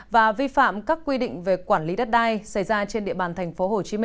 và vi phạm các quy định về quản lý đất đai xảy ra trên địa bàn tp hcm